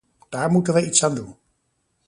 Daar moeten wij iets aan doen.